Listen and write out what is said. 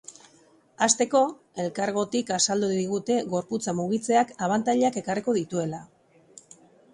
Hasteko, elkargotik azaldu digute gorputza mugitzeak abantailak ekarriko dituela.